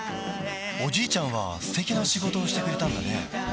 おじいちゃんは素敵な仕事をしてくれたんだね